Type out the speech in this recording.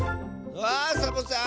あサボさん